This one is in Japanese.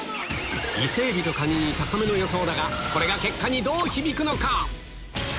伊勢海老とカニに高めの予想だがこれが結果にどう響くのか？